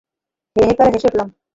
হো হো করে হেসে উঠলাম।